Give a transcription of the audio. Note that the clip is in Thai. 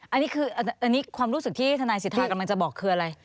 อันนี้คืออันนี้ความรู้สึกที่ทนายสิทธากำลังจะบอกคืออะไร